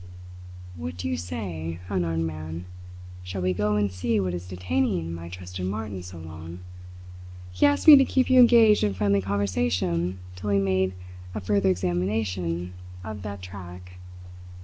"What do you say, unarmed man? Shall we go and see what is detaining my trusted Martin so long? He asked me to keep you engaged in friendly conversation till he made a further examination of that track.